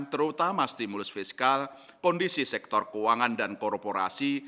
terutama stimulus fiskal kondisi sektor keuangan dan korporasi